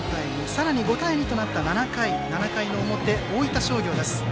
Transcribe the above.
さらに５対２となった７回の表大分商業です。